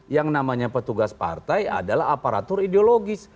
yang namanya petugas partai adalah aparatur ideologis